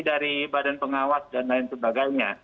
dari badan pengawas dan lain sebagainya